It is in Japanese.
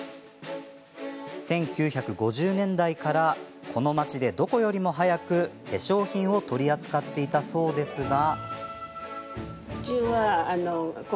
１９５０年代から、この町でどこよりも早く化粧品を取り扱っていたそうですが。